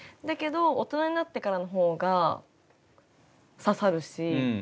だけど大人になってからのほうが刺さるし。